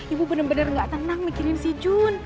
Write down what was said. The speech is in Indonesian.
ibu bener bener gak tenang mikirin si jun